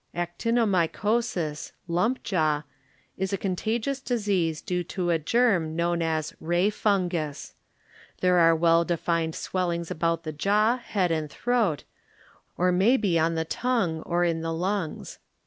AcTiNOuYcosis (LuuF Jaw) is a con tagious disease due to a germ known as "Ray fungus." There are well defined swellings' about the jaw, head and throat, or may be on the tongue or in the lungs.